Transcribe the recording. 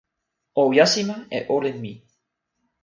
o jasima e olin mi!